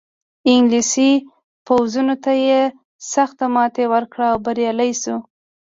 انګلیسي پوځونو ته یې سخته ماتې ورکړه او بریالی شو.